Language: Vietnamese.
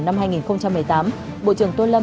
năm hai nghìn một mươi tám bộ trưởng tô lâm